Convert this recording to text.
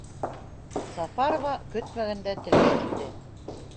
Сафарова көтмәгәндә телгә Килде: